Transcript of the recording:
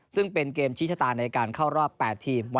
ซึ่งเป็นเกมชิชตาในการเข้ารอบ๘ที่นี่ครับ